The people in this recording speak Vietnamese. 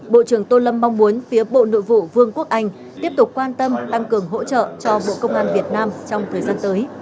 bộ trưởng tô lâm mong muốn phía bộ nội vụ vương quốc anh tiếp tục quan tâm tăng cường hỗ trợ cho bộ công an việt nam trong thời gian tới